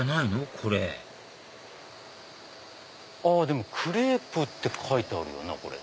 これでもクレープって書いてあるよな。